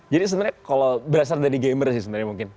jadi sebenarnya kalau berasal dari gamer sih sebenarnya mungkin